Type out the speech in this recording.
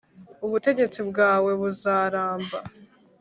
ubutegetsi bwawe buzaramba